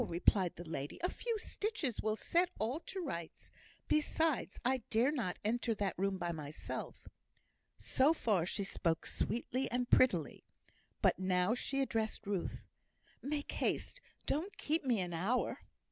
replied the lady. "A few stitches will set all to rights. Besides, I dare not enter that room by myself." So far she spoke sweetly and prettily. But now she addressed Ruth. "Make haste. Don't keep me an hour."